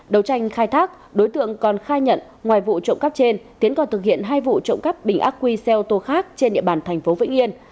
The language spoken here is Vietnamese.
đầu tranh khai thác đối tượng còn khai nhận ngoài vụ trộm cắp trên tiến còn thực hiện hai vụ trộm cắp bình ác quy xe ô tô khác trên địa bàn thành phố vĩnh yên